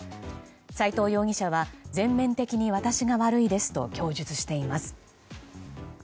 斉藤容疑者は全面的に私が悪いですと供述しています。